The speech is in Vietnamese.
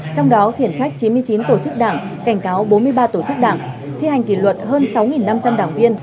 trong đó khiển trách chín mươi chín tổ chức đảng cảnh cáo bốn mươi ba tổ chức đảng thi hành kỷ luật hơn sáu năm trăm linh đảng viên